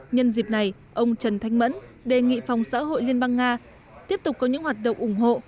nhân dịp này ông trần thanh mẫn đề nghị phòng xã hội liên bang nga tiếp tục có những hoạt động ủng hộ